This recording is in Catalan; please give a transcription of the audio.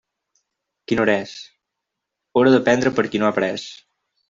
Quina hora és? Hora de prendre per qui no ha pres.